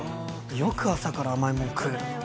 よく朝から甘い物食えるな。